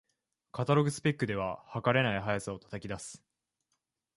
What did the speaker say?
カタログスペックでは、はかれない速さを叩き出す